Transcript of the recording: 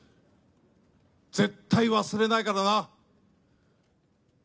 絶対忘れないからな。